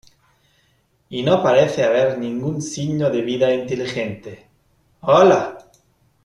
Y no parece haber ningún signo de vida inteligente .¡ Hola !